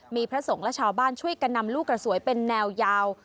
มีพระสงฆ์และชาวบ้านช่วยกันนำลูกกระสวยเป็นแนวยาว